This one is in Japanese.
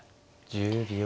１０秒。